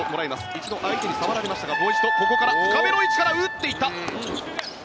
一度相手に触られましたがもう一度、ここから深めの位置から打っていった。